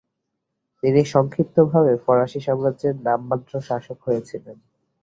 তিনি সংক্ষিপ্তভাবে ফরাসি সাম্রাজ্যের নামমাত্র শাসক হয়েছিলেন।